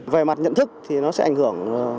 về mặt nhận thức thì nó sẽ ảnh hưởng